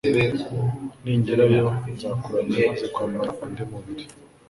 ningerayo nzakuramya maze kwambara undi mubiri